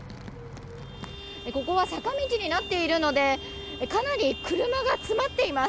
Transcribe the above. ここは坂道になっているのでかなり車が詰まっています。